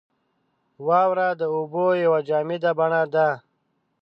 • واوره د اوبو یوه جامده بڼه ده.